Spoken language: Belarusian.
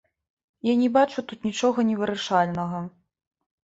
Я не бачу тут нічога невырашальнага.